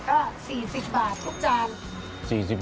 ก็๔๐บาททุกจาน